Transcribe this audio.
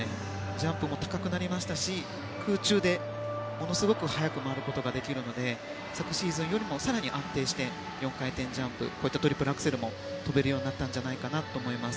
ジャンプも高くなりましたし空中でものすごく速く回ることができるので昨シーズンよりも更に安定して４回転ジャンプやトリプルアクセルも跳べるようになったんじゃないかと思います。